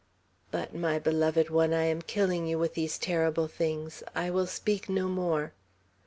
But, my beloved one, I am killing you with these terrible things! I will speak no more."